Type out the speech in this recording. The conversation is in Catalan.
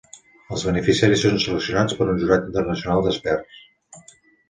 Els beneficiaris són seleccionats per un jurat internacional d'experts.